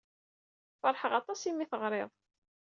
Feṛḥeɣ aṭas imi ay d-teɣriḍ.